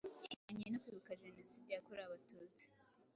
kijyanye no kwibuka jenoside yakorewe abatusi